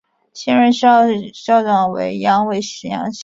现任校长为杨伟贤先生。